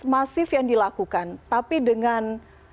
masif yang dilakukan tapi dengan